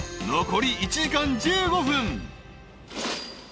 ［残り１時間１５分］